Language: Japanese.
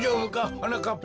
はなかっぱ。